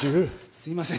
すいません